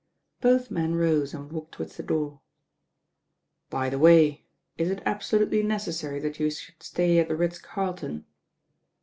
Both men rose and walked towards the door. "By the way, is it absolutely necessary that you should stay at the Ritz Carlton